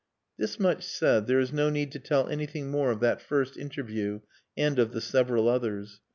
This much said, there is no need to tell anything more of that first interview and of the several others.